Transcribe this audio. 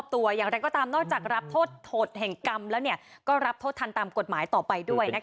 โทษโหดแห่งกรรมแล้วก็รับโทษทันตามกฎหมายต่อไปด้วยนะคะ